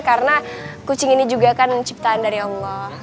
karena kucing ini juga kan ciptaan dari allah